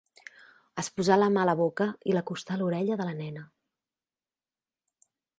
Es posà la mà a la boca i l'acostà a l'orella de la nena.